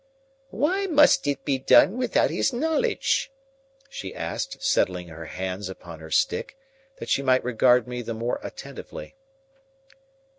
"Why must it be done without his knowledge?" she asked, settling her hands upon her stick, that she might regard me the more attentively.